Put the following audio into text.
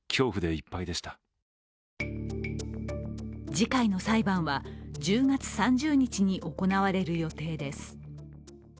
次回の裁判は、１０月３０日に行われる予定です。